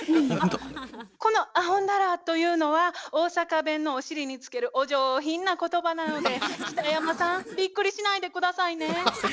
「このあほんだら」というのは大阪弁のお尻につけるお上品な言葉なので北山さんびっくりしないで下さいね。